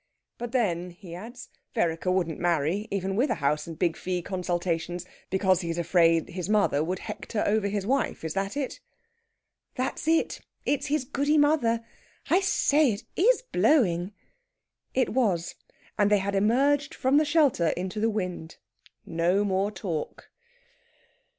"But then," he adds, "Vereker wouldn't marry, even with a house and big fee consultations, because he's afraid his mother would hector over his wife. Is that it?" "That's it! It's his Goody mother. I say, it is blowing!" It was, and they had emerged from the shelter into the wind. No more talk!